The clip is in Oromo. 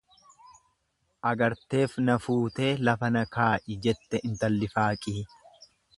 Agarteef na fuutee lafa na kaa'i jette intalli faaqii.